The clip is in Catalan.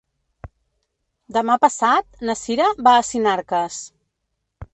Demà passat na Sira va a Sinarques.